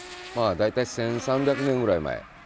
大体１，３００年ぐらい前。